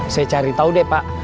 saya cari tahu deh pak